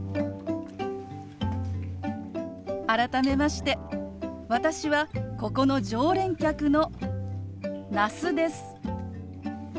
改めまして私はここの常連客の那須です。